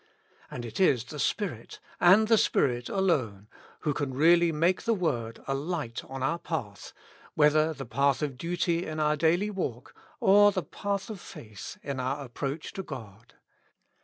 And it is the Spirit, and the Spirit alone, who can really make the word a light on our path, whether the path of duty in our daily walk, or the path of faith in our approach to God.